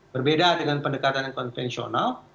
berbeda dengan pendekatan konvensional